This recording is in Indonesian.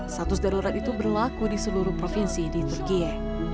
status darurat itu berlaku di seluruh provinsi di turkiye